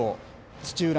土浦